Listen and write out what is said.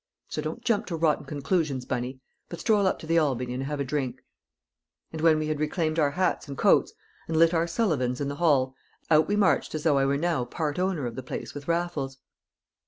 So don't jump to rotten conclusions, Bunny, but stroll up to the Albany and have a drink." And when we had reclaimed our hats and coats, and lit our Sullivans in the hall, out we marched as though I were now part owner of the place with Raffles.